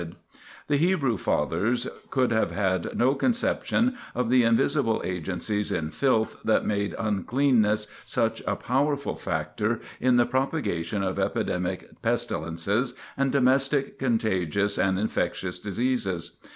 [Sidenote: Invisible Agencies in Filth] The Hebrew Fathers could have had no conception of the invisible agencies in filth that made uncleanness such a powerful factor in the propogation of epidemic pestilences and domestic contagious and infectious diseases.